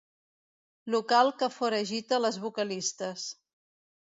Local que foragita les vocalistes.